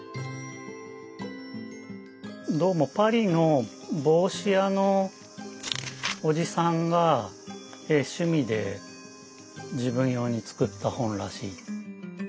どうもパリの帽子屋のおじさんが趣味で自分用に作った本らしい。